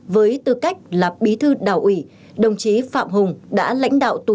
với tư cách là bí thư đảo ủy đồng chí phạm hùng đã lãnh đạo tù